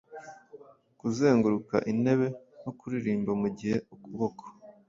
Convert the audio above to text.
Kuzenguruka intebe no kuririmba, mugihe ukuboko